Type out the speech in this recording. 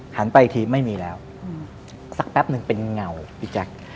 ไปอีกทีไม่มีแล้วสักแป๊บนึงเป็นเงาพี่แจ๊ค